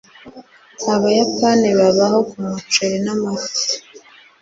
abayapani babaho kumuceri n'amafi